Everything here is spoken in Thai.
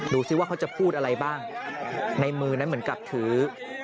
ดูสิว่าเขาจะพูดอะไรบ้างในมือนั้นเหมือนกับถือ